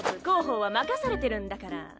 広報は任されてるんだから。